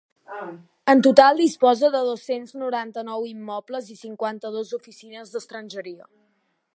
En total disposa de dos-cents noranta-nou immobles i cinquanta-dos oficines d’estrangeria.